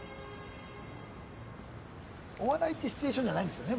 お笑いってシチュエーションじゃないんですよね